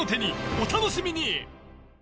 お楽しみに。